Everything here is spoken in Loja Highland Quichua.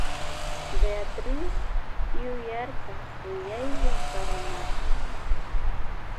Beatriz yuyarka kuyaylla karanata.